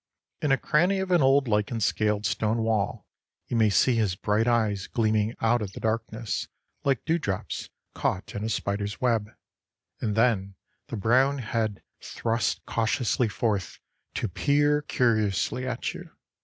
In a cranny of an old lichen scaled stone wall you may see his bright eyes gleaming out of the darkness, like dewdrops caught in a spider's web, and then the brown head thrust cautiously forth to peer curiously at you.